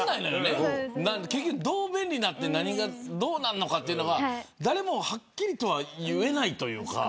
結局どう便利になって何がどうなるのか誰もはっきりとは言えないというか。